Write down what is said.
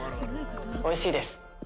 おいしいです。